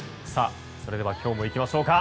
それでは今日もいきましょうか。